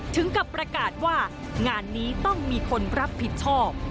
ถึงกับประกาศว่างานนี้ต้องมีคนรับผิดชอบ